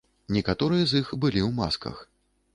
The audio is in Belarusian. Некаторыя з іх былі ў масках.